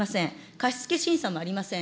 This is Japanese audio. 貸し付け審査もありません。